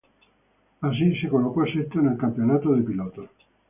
Así, se colocó sexto en el campeonato de pilotos.